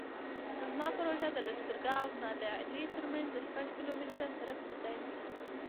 زما پروژه د لښکرګاه او نادعلي ترمنځ د شپږ کیلومتره سرک ډیزاین دی